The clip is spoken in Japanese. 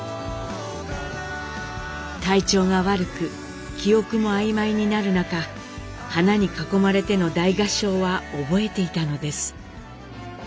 体調が悪く記憶も曖昧になる中花に囲まれての大合唱は覚えていたのです。